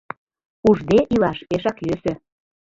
Ужде илаш пешак йӧсӧ.